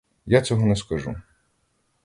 Я цього не скажу.